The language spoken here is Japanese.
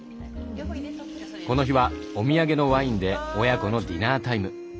この日はお土産のワインで親子のディナータイム。